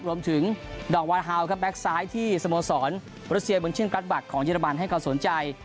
รวมถึงดอกวัดฮาวกับแบ็คซ้ายที่สโมสรประเทศเมืองเชี่ยงกลั๊ดบักของเจนบันให้เขาสนใจ